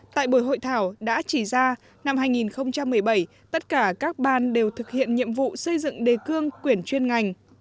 tại buổi hội thảo đã chỉ ra năm hai nghìn một mươi bảy tất cả các ban đều thực hiện nhiệm vụ xây dựng đề cương quyển chuyên ngành